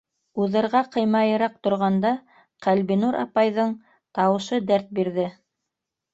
Уҙырға ҡыймайыраҡ торғанда, Ҡәлбинур апайҙың тауышы дәрт бирҙе.